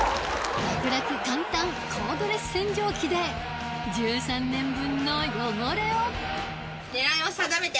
楽々簡単コードレス洗浄機で１３年分の汚れを狙いを定めて。